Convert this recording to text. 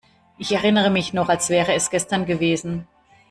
Ich erinnere mich noch, als wäre es gestern gewesen.